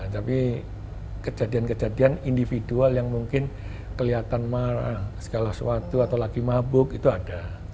tapi kejadian kejadian individual yang mungkin kelihatan marah segala sesuatu atau lagi mabuk itu ada